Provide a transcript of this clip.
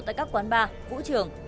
tại các quán bar vũ trường